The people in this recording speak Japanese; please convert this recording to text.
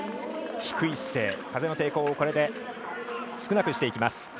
低い姿勢、風の抵抗を少なくしていきます。